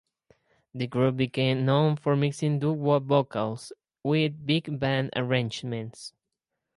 The group became known for mixing doo-wop vocals with big band arrangements.